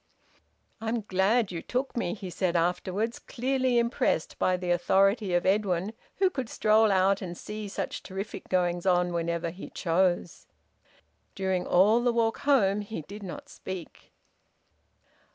"I'm glad you took me," he said afterwards, clearly impressed by the authority of Edwin, who could stroll out and see such terrific goings on whenever he chose. During all the walk home he did not speak.